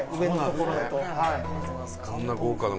こんな豪華な。